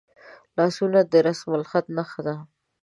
لاسونه د رسمالخط نښه ده